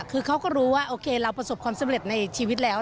คือเขาก็รู้ว่าโอเคเราประสบความสำเร็จในชีวิตแล้ว